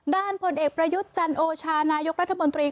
ผลเอกประยุทธ์จันโอชานายกรัฐมนตรี